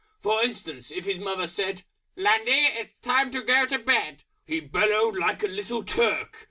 For instance if his Mother said, "Lundy! It's time to go to Bed!" He bellowed like a Little Turk.